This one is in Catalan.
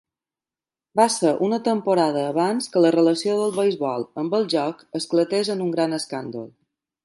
Va ser una temporada abans que la relació del beisbol amb el joc esclatés en un gran escàndol.